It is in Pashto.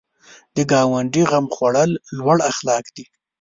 د ګاونډي غم خوړل لوړ اخلاق دي